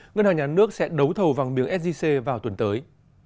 ngân hàng nhà nước sẽ đấu thầu vàng miếng sgc vào tuần tới